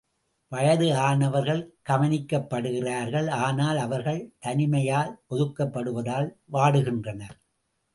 வயது ஆனவர்கள் கவனிக்கப்படுகிறார்கள் ஆனால் அவர்கள் தனிமையால் ஒதுக்கப்படுவதால் வாடுகின்றனர்.